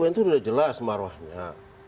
pt un itu sudah jelas maruahnya